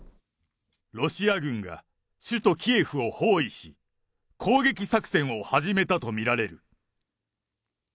ロシア軍が首都キエフを包囲し、攻撃作戦を始めたと見られる。